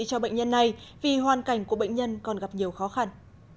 cho bệnh nhân này vì hoàn cảnh của bệnh nhân còn gặp nhiều khó khăn